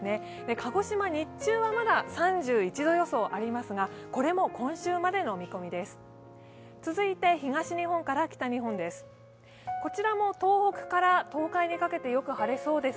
鹿児島、日中はまだ３１度予想ありますが、これも今週までの見込みです。